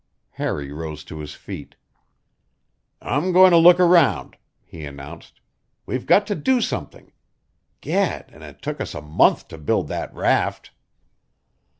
Harry rose to his feet. "I'm going to look round," he announced. "We've got to do something. Gad, and it took us a month to build that raft!"